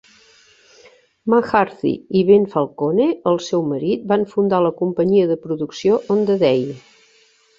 McCarthy y Ben Falcone, el seu marit, van fundar la companyia de producció "On the day".